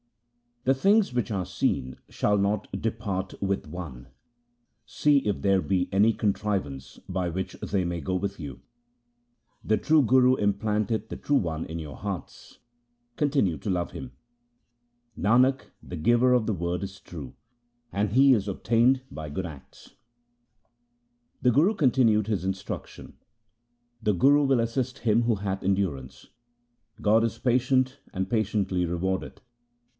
The things which are seen shall not depart with one ; see if there be any contrivance by which they may go with you. The true Guru implanteth the True One in your hearts ; continue to love Him. Nanak, the Giver of the Word is true, and He is obtained by good acts. The Guru continued his instructions :—' The Guru will assist him who hath endurance ; God is patient and patiently rewardeth.